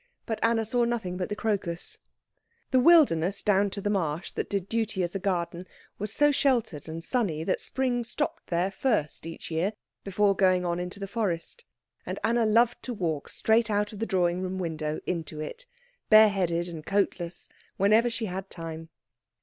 But Anna saw nothing but the crocus. The wilderness down to the marsh that did duty as a garden was so sheltered and sunny that spring stopped there first each year before going on into the forest; and Anna loved to walk straight out of the drawing room window into it, bare headed and coatless, whenever she had time.